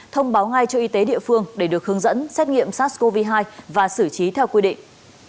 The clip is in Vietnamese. thông báo ngay cho y tế địa phương để được hướng dẫn xét nghiệm sars cov hai và xử trí theo quy định